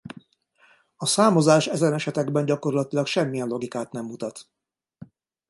A számozás ezen esetekben gyakorlatilag semmilyen logikát nem mutat.